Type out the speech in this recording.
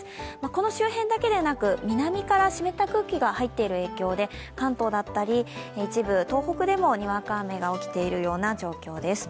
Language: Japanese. この周辺だけでなく南から湿った空気が入っている影響で関東だったり一部東北でもにわか雨が起きているような状況です。